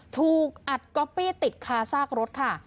ถูกอัดก๊อปปี้ติดคาซากรถค่ะ